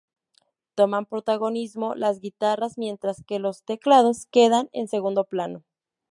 Toman protagonismo las guitarras mientras que los teclados quedan en segundo plano.